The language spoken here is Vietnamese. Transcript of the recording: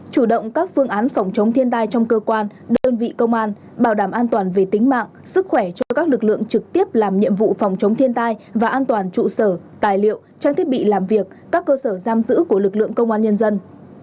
chủ động các phương án phòng chống thiên tai trong cơ quan đơn vị công an bảo đảm an toàn về tính mạng sức khỏe cho các lực lượng trực tiếp làm nhiệm vụ phòng chống thiên tai và an toàn trụ sở tài liệu trang thiết bị làm việc các cơ sở giam giữ của lực lượng công an nhân dân